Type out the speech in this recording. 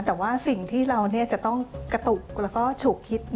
แต่ว่าสิ่งที่เราจะต้องกระตุกแล้วก็ฉุกคิด